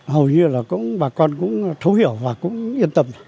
hầu như là bà con cũng thấu hiểu và cũng yên tâm